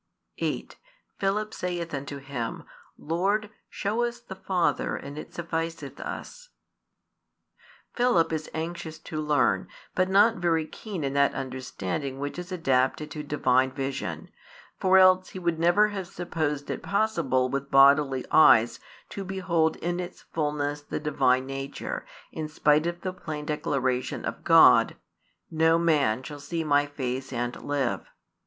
8 Philip saith unto Him, Lord, shew us the Father, and it sufficeth us. Philip is anxious to learn, but not very keen in that understanding which is adapted to Divine vision; for else he would never have supposed it possible with bodily eyes to behold in its fulness the Divine nature in spite of the plain declaration of God: No man shall see My Face and live.